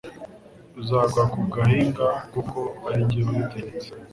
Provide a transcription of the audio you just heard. Uzagwa ku gahinga kuko ari jye wabitegetse